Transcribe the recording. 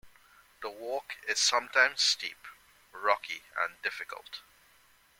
The walk is sometimes steep, rocky and difficult.